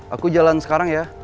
aku jalan sekarang ya